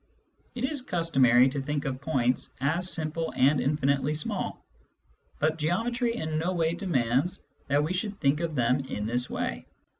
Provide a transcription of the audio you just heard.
It is customary to think of points as simple and infinitely small, but geometry in no way demands that we should think of them in this way.